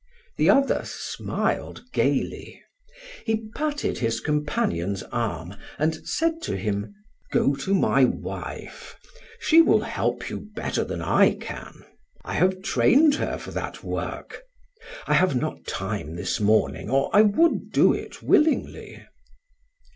The other smiled gaily. He patted his companion's arm and said to him: "Go to my wife; she will help you better than I can. I have trained her for that work. I have not time this morning or I would do it willingly."